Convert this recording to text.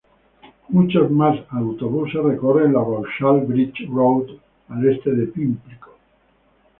Muchos más autobuses recorren la Vauxhall Bridge Road al este de Pimlico.